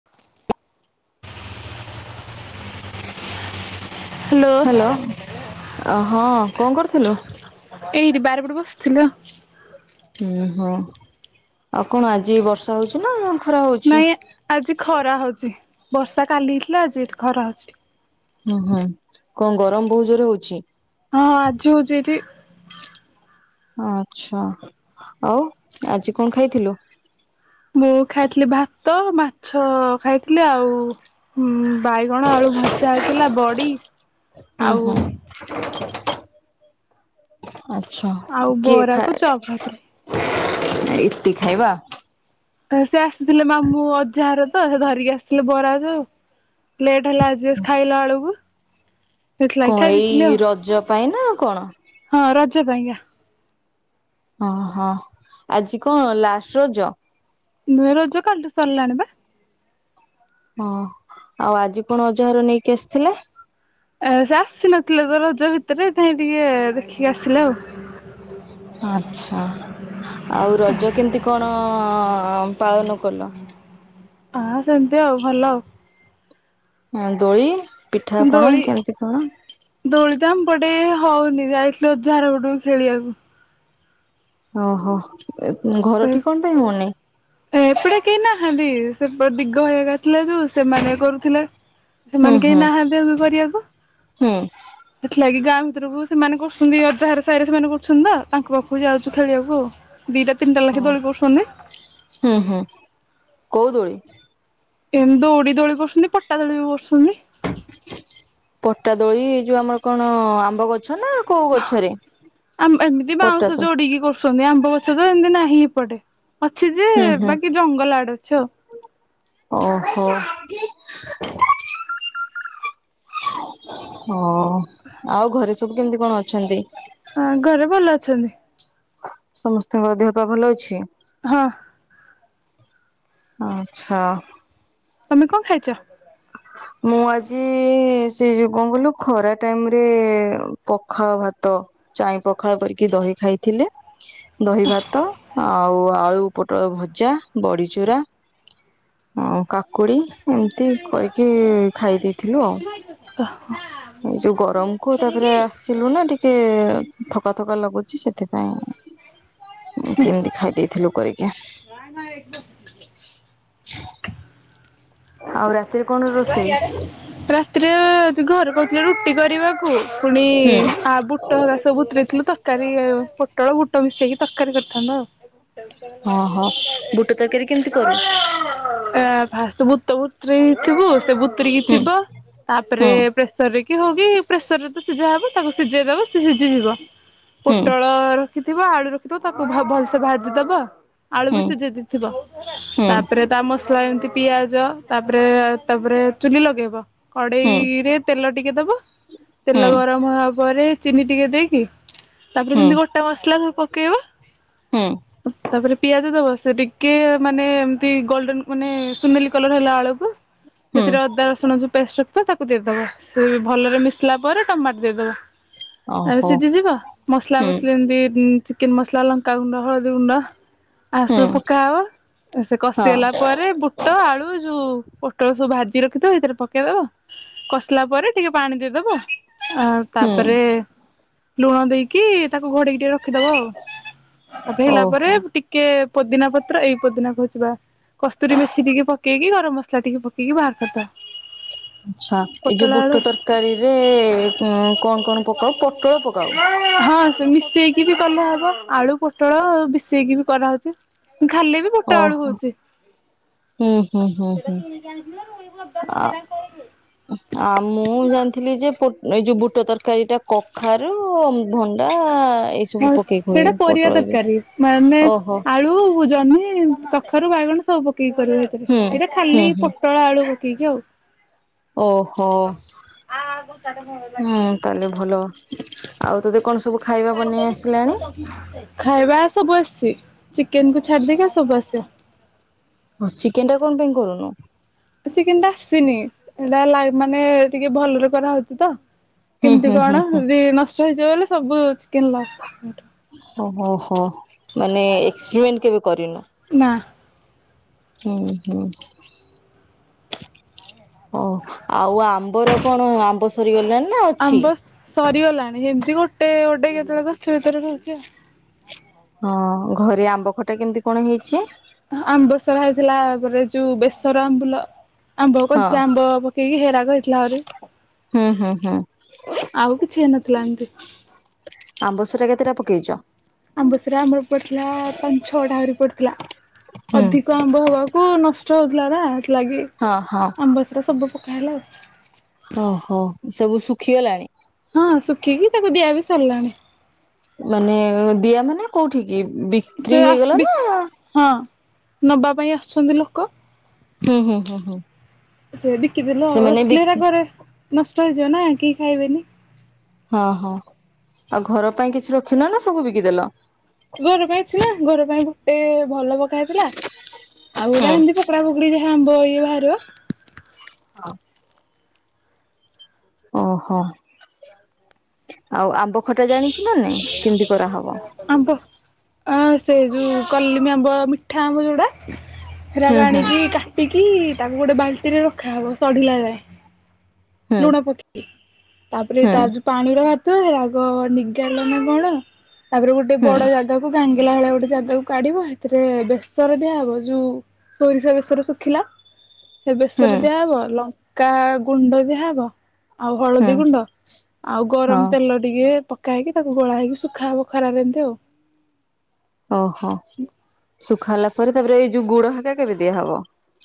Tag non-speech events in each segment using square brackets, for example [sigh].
[inaudible] Hello ହଁ କଣ କରୁଥିଲୁ। ଏଇଠି ବାଡି ପଟେ ବସିଥିଲି। ହୁଁ ହୋ ଆଉ କଣ ଆଜି ବର୍ଷା ହଉଛି ନା ଖରା ହଉଛି। ନାଇଁ ଆଜି ଖରା ହଉଛି ବର୍ଷା କାଲି ହେଇଥିଲା ଆଜି ଏଠି ଖରା ହଉଛି। ଓହୋ କଣ ଗରମ ବହୁତ ଜୋରେ ହଉଛି। ହଁ ଆଜି ହଉଛି ଏଠି। ଆଚ୍ଛା ଆଉ ଆଜି କଣ ଖାଇଥିଲୁ। ମୁଁ ଖାଇଥିଲି ଭାତ, ମାଛ ଖାଇଥିଲି ଆଉ ହୁଁ ବାଇଗଣ ଆଳୁ ଭଜା ହେଇଥିଲା ବଡ଼ି ଆଉ ଆଛା ଆଉ କିଏ ବରାକୁ ଖାଏ। ଚପ୍ ଖାଇଥିଲି। ଏତିକି ଖାଇବା। ସେ ଆସିଥିଲେ ମାମୁଁ ଅଜାହାର ତ ସେ ଧରିକି ଆସିଥିଲେ ବରା ଯେ ଆଉ। ଲେଟ୍ ହେଲା ଆଜି ଖାଇଲା ବେଳକୁ। ସେଥିଲାଗି କ ଖାଇ ଏଇ ଦେଇଥିଲି ଆଉ। ରଜ ପାଇଁ ନା କଣ। ହଁ ରଜ ପାଇଁ କା। ଅ ହ ଆଜି କଣ ଲାଷ୍ଟ ରଜ। ନୁହେ ରଜ କାଲିଠୁ ସରିଲାଣି ପା। ହଁ ଆଉ ଆଜି କଣ ରଜଭାର ନେଇକି ଆସିଥିଲେ। ଆ ସେ ଆସି ନଥିଲେ ତ ରଜ ଭିତରେ ସେଥିପାଇଁ ଇ ଟିକେ ଦେଖି ଆସିଲେ ଆଉ। ଆଛା ଆଉ ରଜ କେମିତି କଣ ପାଳନ କଲ। ହଁ ସେମିତି ଆଉ ଭଲ ଆଉ। ଦୋଳି, ପିଠାପଣା ଦୋଳି କେମତି କଣ। ଦୋଳି ତ ଆମ ପଟେ ହଉନି ଯାଇଥିଲି ଅଜା ଘର ପଟୁକୁ ଖେଳିବାକୁ। ଓହୋ ଘର ସେ ଠି କଣ ପାଇଁ ହୁଉନି। ଏପଟେ କେହି ନାହାନ୍ତି ସେପଟେ ଦିଗ ଭାଇ ଘରିକା ଥିଲେ ତ ସେମାନେ କରୁଥିଲେ। ହୁଁ ସେମାନେ କେହି ହୁଁ ନାହାନ୍ତି ଏବେ କରିବାକୁ। ହୁଁ। ସେଥିଲାଗି ଗାଁ ଭିତରକୁ ସେମାନେ କରୁଛନ୍ତି ଅଜାଘର ସାହିରେ ସେମାନେ କରୁଛନ୍ତି ତ ତାଙ୍କ ପାଖକୁ ଯାଉଛୁ ଖେଳିବାକୁ ଆଉ। ଦିଟା ତିନିଟା ଲାଖେ ଦୋଳି କରୁଛନ୍ତି। ହୁଁ ହୁଁ କୋଉ ଦୋଳି। ଏମତି ଦଉଡି ଦୋଳି କରୁଛନ୍ତି ପଟା ଦୋଳି ବି କରୁଛନ୍ତି। ପଟା ଦୋଳି ଏଇ ଯୋଉ ଆମର କଣ ଆମ୍ବ ଗଛ ନା କୋଉ ଗଛରେ? ଆମ ଏମିତି ପଟା ବାଉଁଶ ତ ଯୋଡିକି କରୁ। [unintelligible] ଆମ୍ବ ଗଛ ତ ଏମିତି ନାହିଁ ଏପଟେ, ଅଛି ଯେ ହୁଁ ହୁଁ ବାକି ଜଙ୍ଗଲ ଆଡେ ଅଛି ଆଉ। ଓହୋ। ହ ଆଉ ଘରେ ସବୁ କେମିତି କଣ ଅଛନ୍ତି। ହଁ ଘରେ ଭଲ ଅଛନ୍ତି। ସମସ୍ତଙ୍କର ଦେହ ପା ଭଲ ଅଛି। ହଁ। ଆଛା। ତମେ କଣ ଖାଇଛ। ମୁଁ ଆଜି ସେ ଯୋଉ କଣ କହିଲୁ ଖରା ଟାଇମରେ ପଖାଳ ଭାତ। ଚାଇଁ ପଖାଳ କରିକି ଦହି ଖାଇଥିଲେ, ଦହି ଭାତ ଆଉ ଆଳୁ ପୋଟଳ ଭଜା, ବଡ଼ିଚୁରା, ଆଉ କାକୁଡ଼ି ଏମିତି କରିକି ଖାଇ ଦେଇଥିଲୁ ଆଉ। [inaudible] ଏଇ ଯୋଉ ଗରମକୁୁ ତାପରେ ଆସିଲୁ ନା ଟିକେ ଥକା ଥକା ଲାଗୁଚି ସେ ଥିପାଇଁ ଏମିତି ଖାଇ ଦେଇେଇଥିଲୁ କରିକି। [inaudible] ଆଉ ରାତିରେ କ [inaudible] ପ୍ରା ଟିରେ ହୋଉଚି ଘରେ କହୁଥିଲେ ରୁଟି କରିବାକୁ ପୁଣି ଆବୁ ଟଳାସ ବୁତରେଇଥିଲୁ ତକାରୀ ଆଉ ପୋଟଳ ବୁଟ ମିଶେଇକି ତକାରୀ କରିଥାନ୍ତତ ଆଉ। ହଁ ହଁ ବୁଟ ତରକାରୀ କେମିତି କରୁ? ଫାଷ୍ଟେ ଭୂତ ବୁତରେ ଥିବୁ ସେ ବୁତ୍ରିକି ହୁଁ ଥିବ ହୁଁ ତାପରେ ପ୍ରେସ ସରରେ କି ହଉ କିି ପ୍ରେସର ରେ ତ ସିଯାହବ ତାକୁ ସିଝେଇଦବ ସି ସିଝିଯିବ ହୁଁ ପୋଟଳର ଖିଥିବ ଆଳୁ ରଖିଥିବ ତାକୁ ଭ ଭଲସେ ଭାଜିଦବ ଆଳୁ ବି ହୁଁ ସିଝେଇ ଦେଇଥିବ ହୁଁ ତା ପରେ ତା ମସଲା ଏମିତି ପିଆଜ ତାପରେ ତାପରେ ଚୁଲି ଲଗେଇବ ହୁଁ କଡେଇରେ ତେଲ ଟିକେ ଦବ ହୁଁ ତେଲ ଗରମ ହବା ପରେ ଚିନି ଟିକେ ଦେଇକି ତାପରେ ହୁଁ ଯେମିତି ଗୋ ଟା ମସଲା କୁ ପକେଇବ ହୁଁ। ତାପରେ ପିଆଜ ଦବ ସେ ଟିକେ ମାନେ ଏମତି ଗୋଲଡେନ ମାନେ ସୁନାଲି କଲର ହେଲା ଆଳକୁ ହୁଁ ସେଥିରେ ଅଦା ରସୁଣ ଯୋଉ ପେଷ୍ଟ ରଖିଥିବ ତାକୁ ଦେଇଦବ ସେ ଭଲରେ ମିଶିଲା ପରେ ଟମାଟ ଦେଇଦବ। ଆ ଓହୋ ସିଜି ଯିବ ମସଲା ହୁଁ ମସଲି ଏମିତି ଚିକେନ ମସଲା, ଲଙ୍କା ଗୁଣ୍ଡ, ହଳଦୀ ଗୁଣ୍ଡ ହୁଁ ଆସୁ ପକା ହବ ସେ କଷି ହଁ ହେଲା ପରେ ବୁଟ ଆଳୁ ଯୋଉ ପୋ ଟୋ ସବୁ ଭାଜି ରଖିଥିବ ଏଇଥିରେ ପକେଇଦବ କଷିଲା ପରେ ଟିକେ ପାଣି ଦେଇଦବ ଆଉ ହୁଁ ତାପରେ ଲୁଣ ଦେଇକି ତାକୁ ଘୋଡେଇକି ଟିକେ ର ଖିଦବ ଆଉ ତାପ ହେଲା ପରେ ଓହୋ। ଟି କେ ପୋଦିନା ପତ୍ର ଏଇ ପୋଦିନା କହୁଛି ବା କସ୍ତୁରୀ ମେଥି ଟିକେ ପକେଇକି ଗରମ ମସଲା ଟିକେ ପ କେଇକି ବାହାର କରଦ। ଆଛା ଏଇ ଯୋଉ ବୁଟ ତରକାରୀରେ କଣ କଣ ପକାଉ? ପୋଟଳ ପକାଉ। ହଁ ହଁ ସେ ମିଶେଇକି ବି କଲେହବ ଆଳୁ ପୋଟଳ ବିଶେଇକି ବି କରାହେଉଚି। ଖାଲି ବି ବୁଟ ଆଳୁ ଓହୋ। ହଉଚି। ହୁଁ ହୁଁ ହୁଁ ହୁଁ। [unintelligible] ତାକୁ ଆ ହଇରାଣ କରନି। ଆ ମୁଁ ଜାଣିଥିଲି ଯେ ପୋ ଏଇ ଯୋଉ ବୁଟ ତରକାରୀ ଟା କଖାରୁ ଭଣ୍ଡା ଏଇସବୁ ଆଉ ପକେଇକି ହୁଏ ସେଇଟା ପରିବା ପୋଟଳବି। ତରକାରୀ ମାନେ ଓହୋ [unintelligible] ଖାରୁ ବାଇଗଣ ସବୁ ପକେଇକି କରିବ ଏଥିରେ ହୁଁ ଏଇଟା ହୁଁ ଖାଲି ହୁଁ ପୋଟଳ ଆଳୁ ପକେଇକି ଆଉ। ଓହୋ ହୁଁ ତାହେଲେ ଭଲ ଆଉ ତତେ କଣ ସବୁ ଖାଇ ଖାଇବା ଆସେ ବେଶୀ ଚିକେନ କୁ ଛାଡିଦେଇକି ଆଉ ସବୁ ଆସେ। ହୋ ଚିକେନ ଟା କଣ ପାଇଁ କରୁନୁ? ଟି ଚିକିନଟା ଆସିନି ଲା ଲା ମାନେ ଟିକେ ଭଲରେ କରାହୋଉଛି ତ। ହୁଁ କେମିତି ହୁଁ ହୁଁ କଣ ଯଦି ନଷ୍ଟ ହେଇଯିବ ଲେ ସବୁ ଚିକେନ ଲା ଓହୋହୋ ମାନେ ଏକ୍ସପେରିଏଣ୍ଟ କେବେ କରିନୁ? ନା। ହୁଁ ହୁଁ। ହୋଊ ଆଉ ଆମ୍ବର କଣ ଆମ୍ବ ସ ଥିରିଗଲାଣି ନା ଆଉ ଆମ୍ବ ସରିଗଲାଣି ଏମିତି ଗୋଟେ ଗୋଟେ କେତେବେଳେ ଗଛ ଭିତରେ ରହୁଚି ଆଉ। ହଁ ଘରେ ଆମ୍ବ ଖଟା କେମିତି କଣ ହେଇଛି? ଆ ଆମ୍ବସରା ହେଇଥିଲା ପରେ ଯୋଉ ବେସର ଆମ୍ବୁଲ ଆମ୍ବ ହଁ କଞ୍ଚ ଆମ୍ବ ପକେଇକି ହେରାଗ ହେଥିଲା ଆରି। ହୁଁ ହୁଁ ହୁଁ। ଆଉ କିଛି ହେଇନଥିଲା ଏମତି। ଆମ୍ବସାର କେତେଟା ପକେଇଚ? ଆମ୍ବସରା ଆମର ପଡିଥିଲା ପାନ୍ ଛଅଟା ହରି ପଡିଥିଲା। ହୁଁ। ଅଧିକ ଆମ୍ବ ହବାକୁ ନଷ୍ଟ ହଉଥିଲା ନା ସେଥିଲାଗି ହଁ ହଁ ଆମ୍ବ ସାରା ସବୁ ପକା ହେଲା ଆଉ। ଓହୋ ସବୁ ଶୁଖିଗଲାଣି। ହଁ ସୁଖି କିି ତାକୁ ଦିଆ ବି ସରିଲାଣି। ମାନେ ଦିଆ ମାନେ କୋଉଠି କି ବି ସେ ବିକ୍ ହଁ ନବା ପାଇଁ ଆସୁଛନ୍ତି ଲୋକ। ହୁଁ ହୁଁ ହୁଁ ହୁଁ। ସେ ବିକିଦେଲୁ ଆଉ ସେମାନେ ରଖିଲେ ଏରା ବିକି ଘରେ ନଷ୍ଟ ହେଇଯିବ ନା କେହି ଖାଇବେନି। ହଁ ହଁ ଆଉ ଘର ପାଇଁ କିଛି ରଖିନ ନା ସବୁ ବିକିଦେଲ। ଘର ପାଇଁ ଅଛି ନା ଘର ପାଇଁ ଗୁଟେ ଭଲ ପକା ହେଇଥିଲା ଆଉ ହୁଁ। ଗୋଟା ଏମତି ପକା ପୁକୁଡା ପୁକୁଡି ଯାହା ଆମ୍ବ ଇଏ ବାହାରିବ ହଁ। ଓହୋ। ିକ କର ଆଉ ଆମ୍ବ ଖଟା ଜାଣିଛୁ ନା ନାଇଁ କେମିତି କରାହବ? ଆମ୍ବ ସେ ଯୋଉ କଲିମି ଆମ୍ବ ମିଠା ଆମ୍ବ ଯୋଉଟା? ହେରାକ ହୁଁ ହୁଁ ଆଣିକି କାଟିକି ତାକୁ ଗୋଟେ ବାଲ୍ଟିରେ ରଖାହବ ସଢିଲା ଯାଏଁ ହୁଁ ଲୁଣ ପକେଇକି ତାପରେ ହୁଁ। ତାର ଯୋଉ ପାଣିର [unintelligible] ବ ନିଗାଢିଲା ନା କଣ ତାପରେ ଗୋଟେ ହୁଁ ବଡ ଜା ତାକୁ ଗାଙ୍ଗେଲା ଭଳିଆ ଗୋଟେ ଜାଗାକୁ କାଢିବ ହେଁଥିରେ ବେସର ଦିଆହବ ଯୋଉ ସୋରିଷା ବେଶର ଶୁଖିଲା ସେ ହୁଁ ବେସରେ ଦିଆହବ ଲଙ୍କା ଗୁଣ୍ଡ ଦିଆହେବ। ଆଉ ହୁଁ ହଳଦୀ ଗୁଣ୍ଡ ଆଉ ହଁ ଗରମ ତେଲ ଟିକେ ପକ ହେଇକି ତାକୁ ଗୋଳା ହେଇକି ଶ ସୁଖା ହେବ ଖରାରେ ଏମିତି ଆଉ। ଓହୋ ଶୁଖା ହେଲା ପରେ ତାପରେ ଏଇ ଯୋଉ ଗୁଡ ହେକା କେବେ ଦିଆହବ?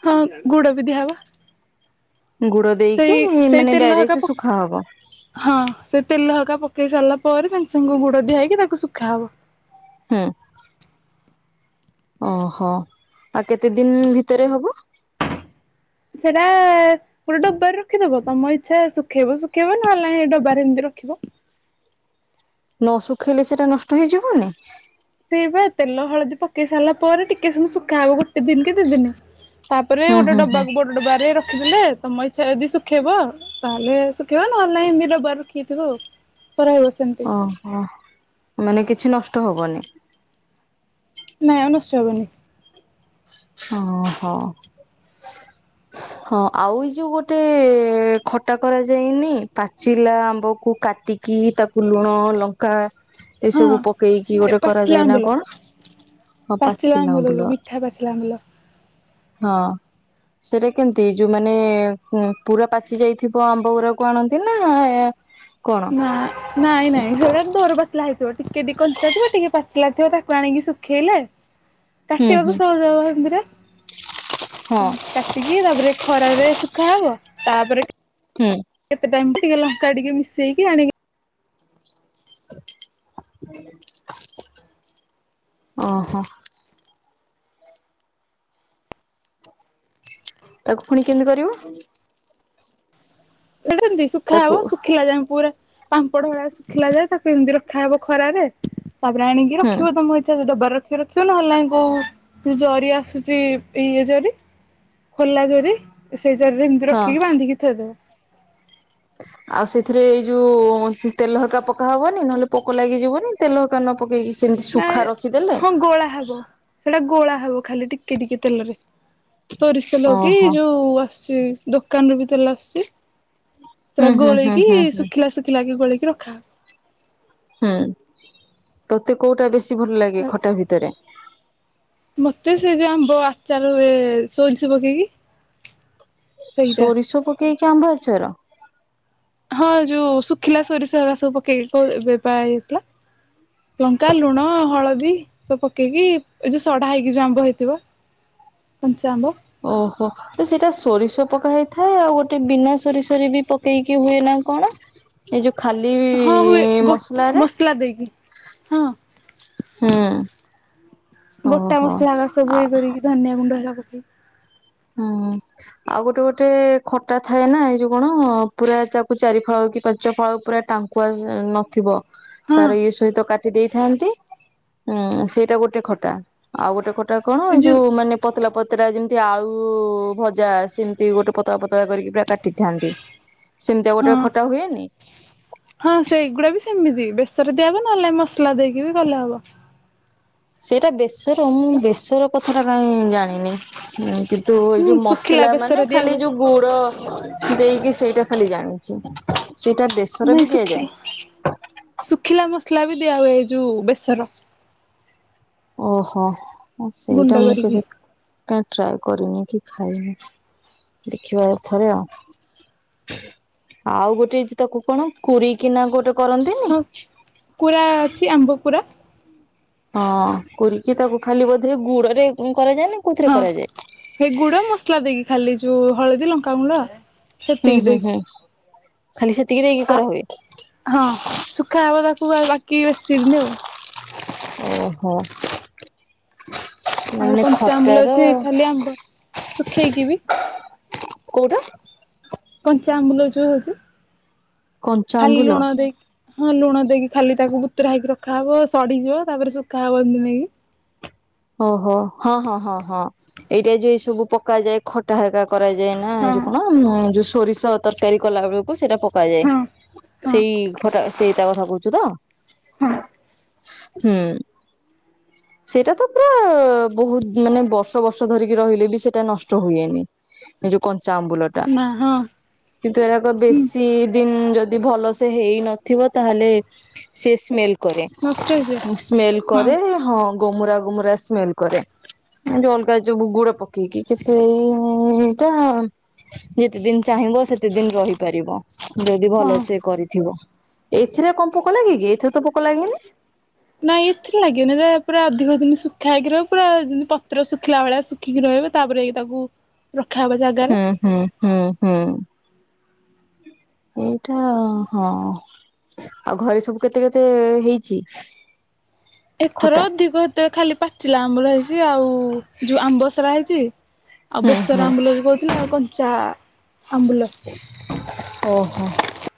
ହଁ ଗୁଡ଼ ବି ଦିଆ ହବ। ଗୁଡ ଦେଇକି ସେଇ ମାନେ ତେଲ ହକା ଡାଇରେକ୍ଟ ଶୁଖା ହବ। ହଁ ସେ ତେଲ ହେକା ପକେଇ ସାରିଲା ପରେ ସାଙ୍ଗେ ସାଙ୍ଗ ଗୁଡ ଦିଆ ହେଇକି ତାକୁ ଶୁଖା ହବ। ହୁଁ। ଓହୋ ଆଉ କେତେ ଦିନ ଭିତରେ ହବ? ସେଇଟା ଆ ଗୋଟେ ଡବାରେ ରଖିଦବ ତମ ଇଚ୍ଛା ଶୁଖେଇବ ଶୁଖେଇବ ନହେଲେ ନାଇ ସେ ଡବାରେ ଏମିତି ରଖିବ। ନ ଶୁଖେଇଲେ ସେଇଟା ନଷ୍ଟ ହେଇଯିବନି? ସେଇ ବା ତେଲ ହଳଦୀ ପକେଇ ସାରିଲା ପରେ ଟିକେ ସମୟ ଶୁଖା ହବ ଗୋଟେ ଦିନ କି ଦି ଦିନ। ତାପରେ ହୁଁ ଗୋଟେ ହୁଁ ହୁଁ ଡବାକୁ ବଡ ଡବାରେ ରଖିଦେଲେ ତମ ଇଛା ଯଦି ଶୁଖେଇବ ତାହେଲେ ସୁଖେଇବ ନହେଲେ ନାଇଁ ଏମିତି ଡବାରେ ରଖି ଦେଇଥିବ ଆଉ ସେମିତି ରହିବ ଓହୋ ମାନେ କିଛି ନଷ୍ଟ ହବନି? ନାଇଁ ମ ନଷ୍ଟ ହେବନି। ଓ ହୋ। ହଁ ଆଉ ଏଇ ଯୋଉ ଗୋଟେ ଖଟା କରାଯାଇନି ପାଚିଲା ଆମ୍ବକୁ କାଟି କି ତାକୁ ଲୁଣ ଲଙ୍କା ହଁ ଏସବୁ ପକେଇକି ଏ ଗୋଟେ ପାଚିଲା କରାଯାଏ ନା ଆମ୍ବୁଲ କଣ? ହଁ ପାଚିଲା ଆମ୍ୱୁଲ ଯୋଉ ଆମ୍ବୁଲ ମିଠା ପାଚିଲା ଆମ୍ୱୁଲ। ହଁ। ସେଇଟା କେମିତି ଯୋଉମାନେ ଉ ପୁରା ପାଚି ଯାଇଥିବ ଆମ୍ବ ଗୁୁରାକୁ ଆଣନ୍ତି ନା କଣ ନାଁ ନାଇଁ ନାଇ ସେଇଟା ଦର ପା ଚିଲା ହେଇଥିବ ଟିକେ ଟିକେ କଞ୍ଚା ଥିବ ଟିକେ ପାଚିଲା ଥିବ ତାକୁ ଆଣିକି ଶୁଖେଇଲେ ହୁଁ କଟିିବାକୁ ହୁଁ ସହଜ ହେବ ହେମିତିରେ। ହଁ। କାଟିକି ତାପରେ ଖରରେ ଶୁଖା ହବ ତାପରେ। ହୁଁ। କେତେ ଟାଇମ୍ ଟିକେ ଲଙ୍କା ଟିକେ ମିଶେଇକି ଆଣିକି ଓହୋ। ତାକୁ ପୁଣି କେମିତି କରିବ? ଏଟନ୍ତି ସୁଖା ତାକୁ ହବ ସୁଖିଲା ଯାଏଁ ପୁ ପାମ୍ପଡ ଭଳିଆ ଶୁଖିଲା ଯାଏ ତାକୁ ଏମିତି ରଖାହବ ଖରାରେ ତାପରେ ଆଣିକି ହୁଁ ରଖିବ ତମ ଇଚ୍ଛା ଡ଼ବାର ଲକ୍ଷ ରଖିବ ନହେଲେ ନାହିଁ କୋଉ ଯ ଜରି ଆସୁଛି ଏଇ ଜରି ଖୋଲା ଜୋରି ସେଇ ଜରିରେ ଏମିତି ରଖିକି ବାନ୍ଧିକି ଥୋଇଦବ। ହ ଆଉ ସେଥିରେ ଏଇ ଯୋଉ ତେଲ ହେକା ପକା ହବନି ନହେଲେ ପୋକ ଲାଗିଯିବନି ତେଲ ହେକା ନ ପକେଇକି? ସେମିତି ନାଇ ଶୁଖା ରଖିଦେଲେ ହଁ ଗୋଳା ହବ ସେଟା ଗୋଳା ହବ ଖାଲି ଟିକେ ଟିକେ ତେଲରେ। ସରିଷଲ କି ଓହୋ ଯୋଉ ଆସୁଛି ଦୋକାନରୁୁ ବି ତେଲ ଆସୁଛି। ହୁଁ ପୁରା ହୁଁ ହୁଁ ଗୋଳେଇକି ହୁଁ ହୁଁ ଶୁଖିଲା ଶୁଖିଲା କି ଗୋଳେଇ କି ରଖାହବ। ହୁଁ ତତେ କୋଉଟା ବେଶୀ ଭଲ ଲାଗେ ଖଟା ଭିତରେ? ମତେ ସେ ଯୋଉ ଆମ୍ବ ଆଚାର ସୋଜିଷ ପକେଇକି। ସେଇଟା ସୋରିଷ ପକେଇକି ଆମ୍ଭ ଆଚାର? ହଁ ଯୋଉ ଶୁଖିଲା ସୋରିଷ ହୋ ସବୁ ପକେଇକି କ ଏବେପା ହୋଇଥିଲା। ଲଙ୍କା ଲୁଣ ହଳଦୀ। ତ ପକେଇକି ଏଇ ଯୋଉ ସଢା ହେଇକି ଯୋଉ ଆମ୍ବ ହେଇଥିବ କଞ୍ଚା ଆମ୍ବ। ଓହୋ। ତ ସେଇଟା ସୋରିଷ ପକା ହେଇଥାଏ ଆଉ ଗୋଟେ ବିନା ସୋରିଷ ରେ ବି ପକେଇକି ହୁଏ ନା କଣ? ଏଇ ଯୋଉ ଖାଲି ହଁ ହୁଏ ଗୋ ମସଲାରେ। ମସଲା ଦେଇକି ହଁ ହୁଁ। ଗୋଟା ଓହୋ। ମସଲା ସବୁ ଆ ଇଏ କରିକି ଧନିଆ ଗୁଣ୍ଡ ହେଲା ପକେଇକି। ହୁଁ। ଆଉ ଗୋଟେ ଗୋଟେ ଖଟା ଥାଏ ନା ଏଇ ଯୋଉ କଣ ପୁରା ତାକୁ ଚାରି ଫଳ କି ପାଞ୍ଚ ଫଳ ପୁରା ଟା କୁ ନଥିବ। ହଁ ତାର ଇଏ ସହିତ କାଟି ଦେଇଥାନ୍ତି ଉଁ ସେଇଟା ଗୋଟେ ଖଟା। ଆଉ ଗୋଟେ କଟା କଣ ଏଇ ଯୋଉ ମାନେ ପତଳା ପତଳାରା ଯେମିତି ଆଳୁ କୁ ଭଜା ସେମିତି ଗୋଟେ ପତଳା ପତଳା କରିକି କା ଟିଥାନ୍ତି ସେମିତି ଆଉ ହଁ ଗୋଟେ ଖଟା ହୁଏନି? ହଁ ସେଇଗୁଡା ବି ସେମିତି ବେସର ଦିଆହବ ନହେଲେ ମସଲା ଦେଇକି କଲେ ହବ। ସେଇଟା ବେଶର ମୁଁ ବେଶର କଥାଟା କାଇହିଁ ଜାଣିନି? ତୁ ଏଇ ହୁଁ ଯୋଉ ଶୁଖିଲା ମସଲା ମାନେ ବେସର ଦିଆ ଖାଲି ହୁଏ ଯୋଉ ଗୁଡ ଦେଇକି ସେଇଟା ଖାଲି ଜାଣିଛି ସେଇଟା ବେସରେ ନାଇଁ ବି ଶୁଖିଲା ଦିଆଯାଏ? ଶୁଖିଲା ମସଲା ବି ଦିଆ ହୁଏ ଏଇ ଯଉ ବେସର। ଓହୋ ସେଇଟା ଗୁଣ୍ଡ ମୁଁ କରିକି କେବେ କାଇଁ ଟ୍ରାଏ କରିନି କି ଖାଇନି। ଦେଖିବା ଥରେ ଆଉ ଆଉ ଗୋଟେ ହେଇଛି ତାକୁ କଣ? କୁରୀ କିନା ଗୋଟେ କରନ୍ତିନି? କୁରା ଅଛି ଆମ୍ବ କୁୁରା। ହଁ କୁରିକି ତାକୁ ଖାଲି ବୋଧେ ଗୁଡ ରେ କରାଯାଏ ନା କଉଥିରେ କରାଯାଏ? ହେ ଗୁଡ ମସଲା ଦେଇକି ଖାଲି ଯୋଉ ହଳଦୀ ଲଙ୍କା ଗୁଣ୍ଡ ଆଉ। ହୁଁ ହୁଁ ହୁଁ ଖାଲି ସେତିକି ଦେଇକି ଆ କରା ହୁଏ। ହଁ ଶୁଖା ହବ ତାକୁ ବାକି ବେଶୀ ଦିନ୍ ଆଉ। ଓହୋ। ଆଉ ମାନେ କଞ୍ଚା ଆମ୍ବୁଲ ଅଛି ଖଟାର ଖାଲି ଆମ୍ବ ଶୁଖେଇକି ବି କଉଟା। କଞ୍ଚା ଆମ୍ବୁଲ ଯୋଉ ହଉଚି କଞ୍ଚା ଖାଲି ଆମ୍ବୁଲ। ଲୁଣ ଦେଇକି ହଁ ଲୁଣ ଦେଇକି। ଖାଲି ତାକୁ ବୁତ୍ରା ହେଇକି ରଖାହେବ ସଡ଼ିଯିବ ତାପରେ ଶୁଖା ହେବ ଏମିତି ନେଇକି। ଓହୋ ହଁ ହଁ ହଁ ହଁ ଏଇଟା ଯୋଉ ଏ ସବୁ ପକାଯାଏ ଖ ଟା ହେକା କରାଯାଏ ନା ଏ ହଁ ଯଉ କଣ ଯୋଉ ସୋରିଷ ତରକାରୀ କଲା ବେଳକୁ ସେଇଟା ପକାଯାଏ। ହଁ ହଁ ସେଇ ଘଟା ସେଇ ତା କଥା କୁଛୁ ତ? ହଁ ହୁଁ ସେଇଟା ତ ଅ ବହୁତ୍ ମାନେ ବର୍ଷ-ବର୍ଷ ଧରିକି ରହିଲେ ବି ସେଟା ନଷ୍ଟ ହୁଏନି। ଏଇ ଯୋଉ କଞ୍ଚା ଆମ୍ବୁଲ। ଟା। ନାଁ-ହଁ କିନ୍ତୁ ଏରାକ ବେଶୀ ଦିନ୍ ଯଦି ଭଲସେ ହେଇନଥିବ ତାହେଲେ ସେ ସ୍ମେଲ୍ କରେ ନଷ୍ଟ ହେଇଯିବ ସ୍ମେଲ୍ ହଁ କରେ ହଁ ଗମୁରା ଗମୁରା ସ୍ମେଲ୍ କରେ। ଉଁ ଯୋଉ ଅଲଗା ଯୋଉ ଗୁଡ ପକେଇକି କି ସେଇଟା ଯେତେଦିନ୍ ଚାହିଁବ ସେତେ ଦିନ୍ ରହିପାରିବ। ଯଦି ଭଲ ହଁ। ସେ କରିଥିବ, ଏଇଥିରେ କଣ ପୋକ ଲାଗେ କି ଏଥିରେ ତ ପୋକ ଲାଗେନି? ନାଇଁ ଏଥିରେ ଲାଗିବନି ଏରା ପୁରା ଅଧିକ ଦିନ ଶୁଖା ହେଇକି ରହିବ ପୁରା ପତ୍ର ଶୁଖିଲା ଭଳିଆ ଶୁ ଖିକି ରହିବ ତାପରେ ଯାଇକି ତାକୁ ରଖାହବ ଜାଗାରେ। ହୁଁ-ହୁଁ-ହୁଁ। ଏଇଟା ହଁ, ଆଉ ଘରେ ସବୁ କେତେ-କେତେ ହେଇଚି? ସୁଁ ଏଥର ଅଧିକ ଏତେ ଖାଲି ପାଚିଲା ଆମ୍ବୁଲ ହେଇଚି, ଆଉ ଯୋଉ ଆମ୍ବ ସାରା ହେଇଚି। ଆଉ ହୁଁ ବେସର ହୁଁ ଆମ୍ବୁଲ ଯୋଉ କହୁଥିଲ, ଆଉ କଞ୍ଚା ଆମ୍ବୁଲ। ଓହୋ।